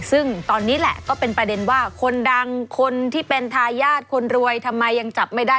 ซึ่งตอนนี้แหละก็เป็นประเด็นว่าคนดังคนที่เป็นทายาทคนรวยทำไมยังจับไม่ได้